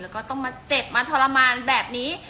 แล้วก็ต้องมาเจ็บมาทรมานแบบนี้